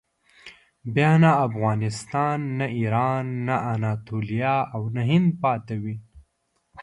بیا نه افغانستان، نه ایران، نه اناتولیه او نه هند پاتې وي.